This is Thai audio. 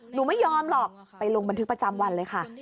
หนูไม่ยอมหรอกไปลงบันทึกประจำวันเลยค่ะ